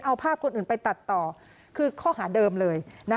เอาภาพคนอื่นไปตัดต่อคือข้อหาเดิมเลย